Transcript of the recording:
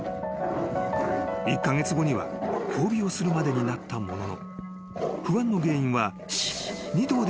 ［１カ月後には交尾をするまでになったものの］